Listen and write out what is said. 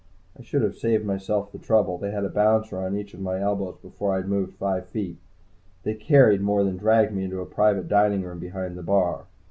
I should have saved myself the trouble. They had a bouncer on each of my elbows before I had moved five feet. They carried more than dragged me into a private dining room behind the bar.